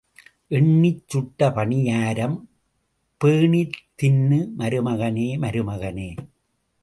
எண்ணிச் சுட்ட பணியாரம், பேணித் தின்னு மருமகனே மருமகனே.